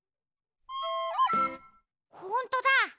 ほんとだ！